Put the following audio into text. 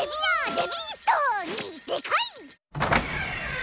デビースト！にデカい！